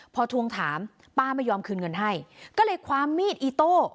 พอทวงถามป้าไม่ยอมคืนเงินให้ก็เลยความมีดอีโต้